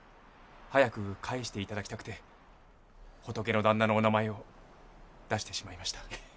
早く帰して頂きたくて仏の旦那のお名前を出してしまいました。